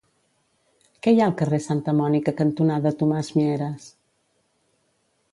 Què hi ha al carrer Santa Mònica cantonada Tomàs Mieres?